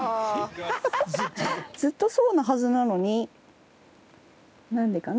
ずっとそうなはずなのになんでかな？